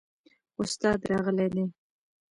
استاد راغلی دی؟